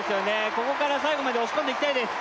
ここから最後まで押し込んでいきたいです